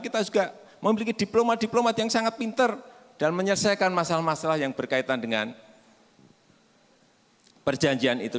kita juga memiliki diplomat diplomat yang sangat pinter dan menyelesaikan masalah masalah yang berkaitan dengan perjanjian itu